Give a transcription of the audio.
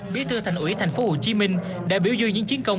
bí thư thành ủy tp hcm đã biểu dương những chiến công